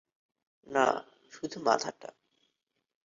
না, শুধু মাথাটা।